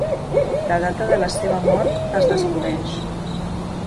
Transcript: La data de la seva mort es desconeix.